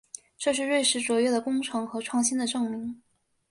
这是瑞士卓越的工程和创新的证明。